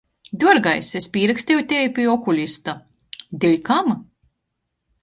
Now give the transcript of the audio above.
Duorgais, es pīraksteju tevi pi okulista. Deļkam?